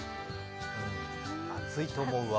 熱いと思うわ。